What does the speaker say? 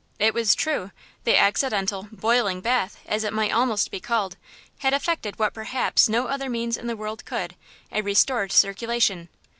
It was true: the accidental "boiling bath," as it might almost be called, had effected what perhaps no other means in the world could–a restored circulation.